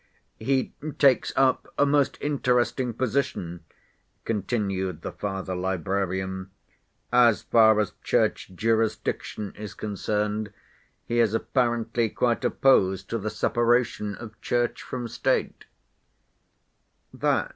"He takes up a most interesting position," continued the Father Librarian. "As far as Church jurisdiction is concerned he is apparently quite opposed to the separation of Church from State."